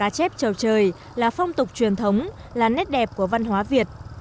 và chép trầu trời là phong tục truyền thống là nét đẹp của văn hóa việt